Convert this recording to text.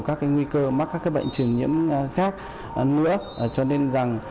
các cái nguy cơ mắc các cái bệnh truyền nhiễm khác nữa cho nên rằng